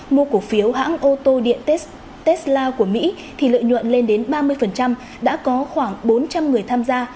mua cổ phiếu hãng ô tô điện tesla của mỹ thì lợi nhuận lên đến ba mươi đã có khoảng bốn trăm linh người tham gia